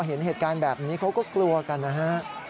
เห็นเหตุการณ์แบบนี้เขาก็กลัวกันนะฮะ